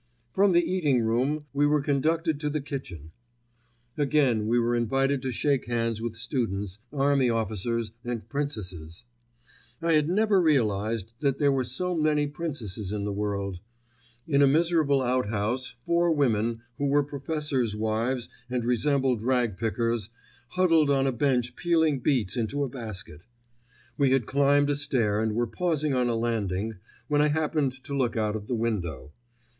From the eating room we were conducted to the kitchen. Again we were invited to shake hands with students, army officers and princesses. I had never realized that there were so many princesses in the world. In a miserable outhouse four women, who were professors' wives and resembled rag pickers, huddled on a bench peeling beets into a basket. We had climbed a stair and were pausing on a landing, when I happened to look out of the window.